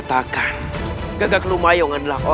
jangan lagi membuat onar di sini